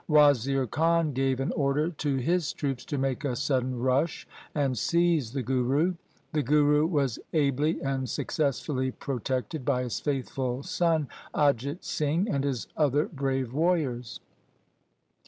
Wazir Khan gave an order to his troops to make a sudden rush and seize the Guru. The Guru was ably and successfully pro tected by his faithful son Ajit Singh and his other brave warriors.